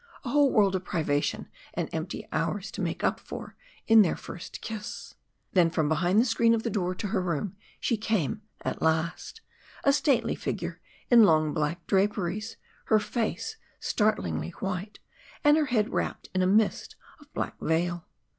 A whole world of privation and empty hours to make up for in their first kiss. Then from behind the screen of the door to her room she came at last a stately figure in long black draperies, her face startlingly white, and her head wrapped in a mist of black veil.